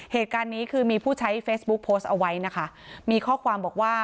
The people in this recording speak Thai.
เหตุการณ์นี้คือมีผู้ใช้เฟซบุ๊กโพสต์เอาไว้นะคะมีข้อความบอกว่า